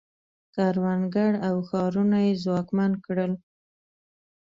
کروندګر او ښارونه یې ځواکمن کړل